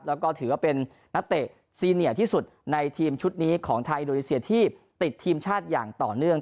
แล้วก็ถือว่าเป็นนักเตะซีเนียที่สุดในทีมชุดนี้ของไทยอินโดนีเซียที่ติดทีมชาติอย่างต่อเนื่อง